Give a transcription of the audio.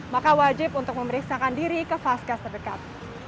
maka wajib untuk memeriksakan diri ke vaskes terdekat